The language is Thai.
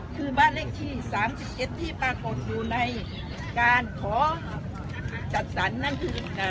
คือบ้านเลขที่สามสิบเอ็ดที่ปรากฏอยู่ในการขอจัดสรรนั่น